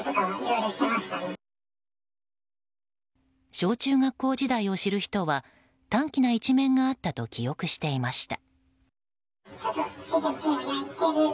小中学校時代を知る人は短気な一面があったと記憶していました。